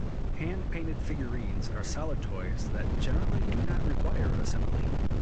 Hand-painted figurines are solid toys that generally do not require assembly.